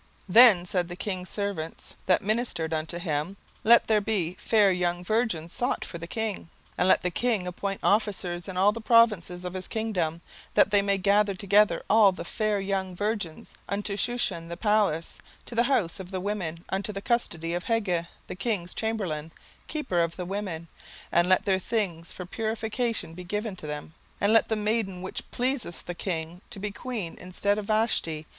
17:002:002 Then said the king's servants that ministered unto him, Let there be fair young virgins sought for the king: 17:002:003 And let the king appoint officers in all the provinces of his kingdom, that they may gather together all the fair young virgins unto Shushan the palace, to the house of the women, unto the custody of Hege the king's chamberlain, keeper of the women; and let their things for purification be given them: 17:002:004 And let the maiden which pleaseth the king be queen instead of Vashti.